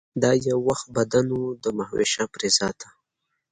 دا یو وخت بدن و د مهوشه پرې ذاته